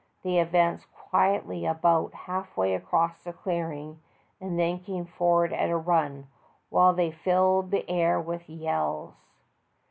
They advanced quietly about half way across the clearing,, and then came forward at a run, while they filled the air with yells.